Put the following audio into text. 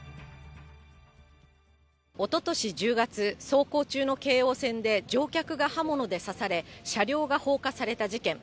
おととし１０月、走行中の京王線で乗客が刃物で刺され、車両が放火された事件。